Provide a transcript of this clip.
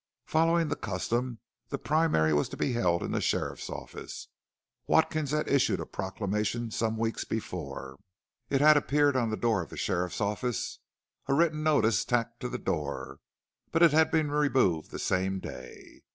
Following the custom the primary was to be held in the sheriff's office. Watkins had issued a proclamation some weeks before; it had appeared on the door of the sheriff's office a written notice, tacked to the door but it had been removed the same day.